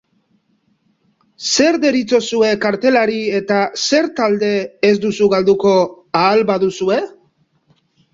Zer deritzozue kartelari eta zer talde ez duzu galduko, ahal baduzue?